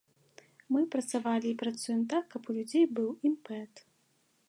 Мы працавалі і працуем так, каб у людзей быў імпэт.